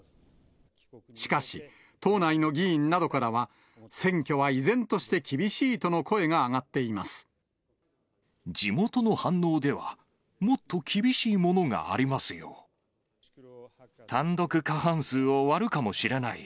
しかし、党内の議員などからは、選挙は依然として厳しいとの声が上がって地元の反応では、もっと厳し単独過半数を割るかもしれない。